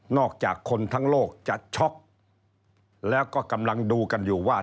อกจากคนทั้งโลกจะช็อกแล้วก็กำลังดูกันอยู่ว่า